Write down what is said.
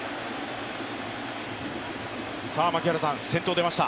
槙原さん、先頭出ました。